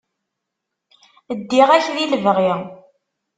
Ddiɣ-ak di lebɣi.